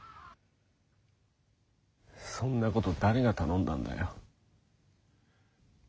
そんなこと誰が頼んだんだよ。